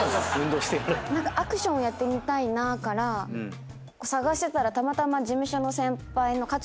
何かアクションやってみたいなから探してたらたまたま事務所の先輩の。